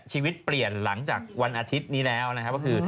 ชีวิตเปลี่ยนหลังจากวันอาทิตย์นี้แล้วนะครับก็คือ